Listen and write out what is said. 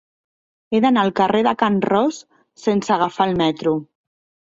He d'anar al carrer de Can Ros sense agafar el metro.